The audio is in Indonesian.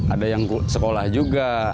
ada yang sekolah juga